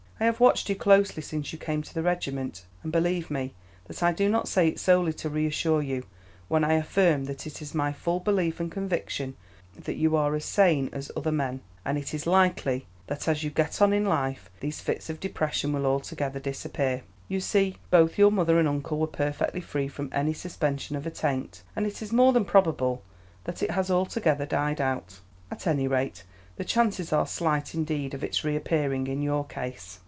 I have watched you closely since you came to the regiment, and, believe me, that I do not say it solely to reassure you when I affirm that it is my full belief and conviction that you are as sane as other men, and it is likely that as you get on in life these fits of depression will altogether disappear. You see both your mother and uncle were perfectly free from any suspicion of a taint, and it is more than probable that it has altogether died out. At any rate the chances are slight indeed of its reappearing in your case."